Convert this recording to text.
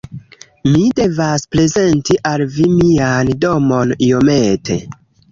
Mi devas prezenti al vi mian domon iomete.